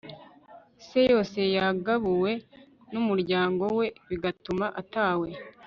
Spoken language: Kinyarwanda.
Se yose yagabuwe numuryango we………Bigatuma atawe